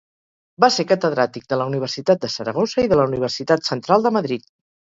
Va ser catedràtic de la Universitat de Saragossa i de la Universitat Central de Madrid.